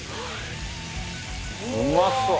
「うまそう！」